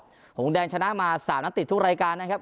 ของฮุ่นแดนชนะมา๓นักติดทุกรายการนะครับ